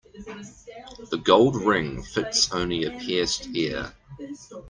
The gold ring fits only a pierced ear.